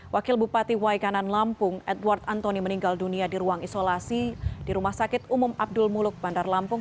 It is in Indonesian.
wakil bupati waikanan lampung edward antoni meninggal dunia di ruang isolasi di rumah sakit umum abdul muluk bandar lampung